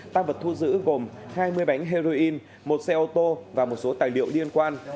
tăng vật thu giữ gồm hai mươi bánh heroin một xe ô tô và một số tài liệu liên quan